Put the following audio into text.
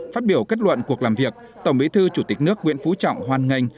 phát biểu kết luận cuộc làm việc tổng bí thư chủ tịch nước nguyễn phú trọng hoan nghênh